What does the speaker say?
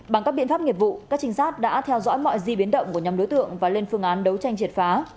bằng các biện pháp nghiệp vụ các trinh sát đã theo dõi mọi di biến động của nhóm đối tượng và lên phương án đấu tranh triệt phá